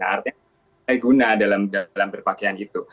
artinya saya guna dalam berpakaian itu